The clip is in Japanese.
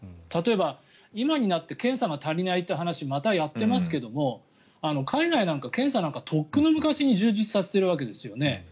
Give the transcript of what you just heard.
例えば、今になって検査が足りないという話をまたやってますけども海外なんか、検査なんかとっくの昔に充実させているわけですよね。